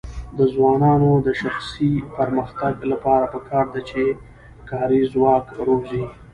د ځوانانو د شخصي پرمختګ لپاره پکار ده چې کاري ځواک روزي.